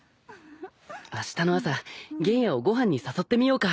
あしたの朝玄弥をご飯に誘ってみようか。